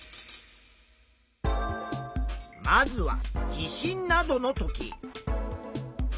まずは地震などのとき。